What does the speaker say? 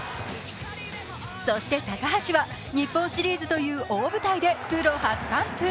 そして高橋は日本シリーズという大舞台でプロ初完封。